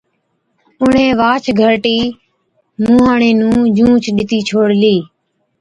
اُڻهين واهچ گھَرٽِي مُونهاڻي نُون جھُونچ ڏِتِي ڇوڙلِي۔